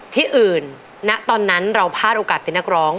ที่อื่นณตอนนั้นเราพลาดโอกาสเป็นนักร้อง